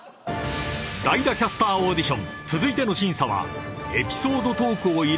［代打キャスターオーディション続いての審査は］